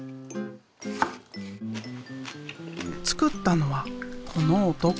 作ったのはこの男。